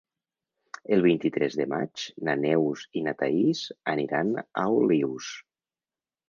El vint-i-tres de maig na Neus i na Thaís aniran a Olius.